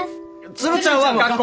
鶴ちゃんは学校！